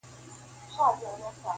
كله كله به ښكار پاته تر مابين سو-